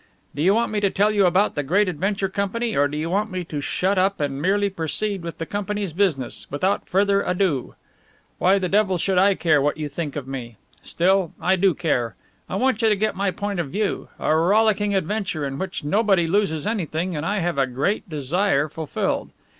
"Do you want me to tell you all about the Great Adventure Company, or do you want me to shut up and merely proceed with the company's business without further ado? Why the devil should I care what you think of me? Still, I do care. I want you to get my point of view a rollicking adventure, in which nobody loses anything and I have a great desire fulfilled.